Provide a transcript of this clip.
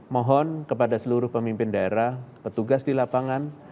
mohon kepada seluruh pemimpin daerah petugas di lapangan